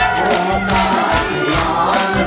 ร้องได้ให้ล้าน